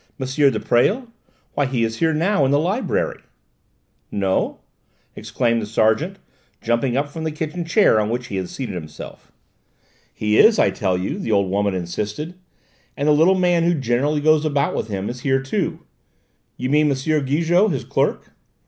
de Presles? Why, he is here now in the library." "No?" exclaimed the sergeant, jumping up from the kitchen chair on which he had seated himself. "He is, I tell you," the old woman insisted; "and the little man who generally goes about with him is here too." "You mean M. Gigou, his clerk?"